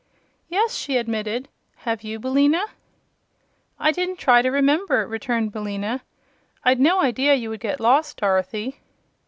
"Yes," she admitted; "have you, Billina?" "I didn't try to remember," returned Billina. "I'd no idea you would get lost, Dorothy."